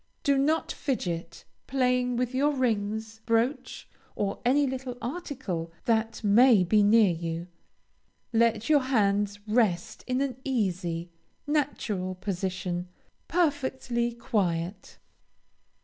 Do not fidget, playing with your rings, brooch, or any little article that may be near you; let your hands rest in an easy, natural position, perfectly quiet.